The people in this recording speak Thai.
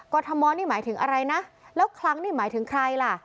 ทมนี่หมายถึงอะไรนะแล้วครั้งนี่หมายถึงใครล่ะ